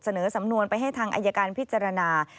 เสนอสำนวนไปให้ทางอายการพิจารณา